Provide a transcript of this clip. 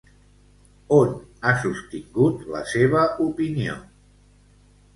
On ha sostingut la seva opinió?